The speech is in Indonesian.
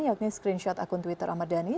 yakni screenshot akun twitter ahmad dhani